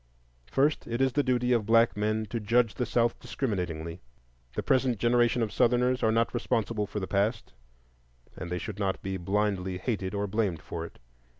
First, it is the duty of black men to judge the South discriminatingly. The present generation of Southerners are not responsible for the past, and they should not be blindly hated or blamed for it.